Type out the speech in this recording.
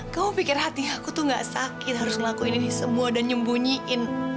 kamu pikir hati aku tuh gak sakit harus ngelakuin ini semua dan nyembunyiin